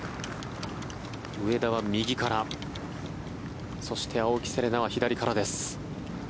上田は右からそして青木瀬令奈は左からです。